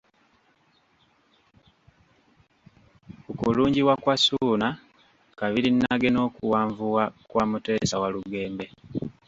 Ku kulungiwa kwa Ssuuna Kabirinnage n'okuwanvuwa kwa Mutesa Walugembe.